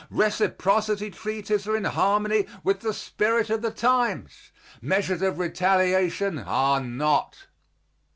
Reciprocity treaties are in harmony with the spirit of the times; measures of retaliation are not.